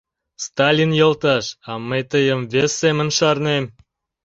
— Сталин йолташ, а мый тыйым вес семын шарнем.